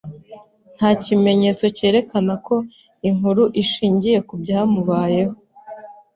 Nta kimenyetso cyerekana ko inkuru ishingiye ku byamubayeho.